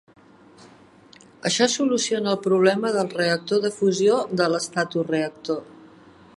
Això soluciona el problema del reactor de fusió de l'estatoreactor.